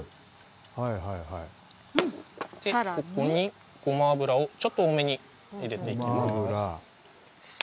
ここにごま油をちょっと多めに入れていきます。